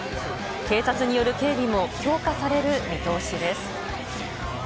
警察による警備も強化される見通しです。